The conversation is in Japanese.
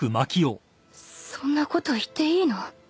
そんなこと言っていいの？